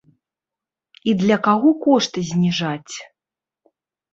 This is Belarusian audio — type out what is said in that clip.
І для каго кошт зніжаць?